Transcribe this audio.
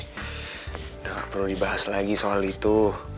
udah gak perlu dibahas lagi soal itu